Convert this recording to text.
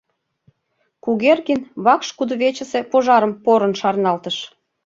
— Кугергин вакш кудывечысе пожарым порын шарналтыш.